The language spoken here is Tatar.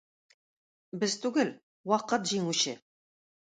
Без түгел, вакыт җиңүче.